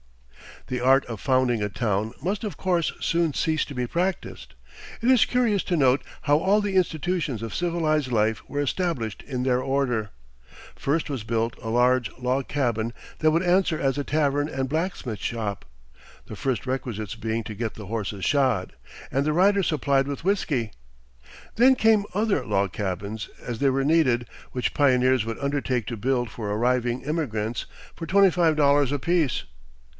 The art of founding a town must of course soon cease to be practiced. It is curious to note how all the institutions of civilized life were established in their order. First was built a large log cabin that would answer as a tavern and blacksmith's shop, the first requisites being to get the horses shod, and the riders supplied with whiskey. Then came other log cabins, as they were needed, which pioneers would undertake to build for arriving emigrants for twenty five dollars apiece.